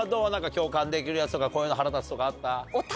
共感できるやつとかこういうの腹立つとかあった？